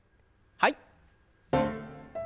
はい。